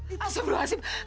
itu sebelah asib